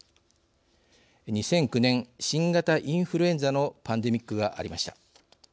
２００９年新型インフルエンザのパンデミックがありました。